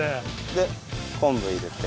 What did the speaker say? で昆布入れて。